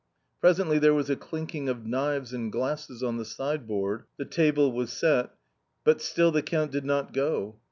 Presently there was a clinking of knives and glasses on the sideboard, the table was set, but still the Count did not go.